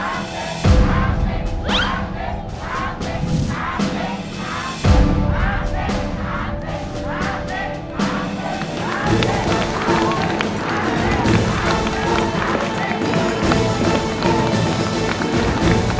ให้น้องปิ๊งปิ๊งกี่คะแนนครับ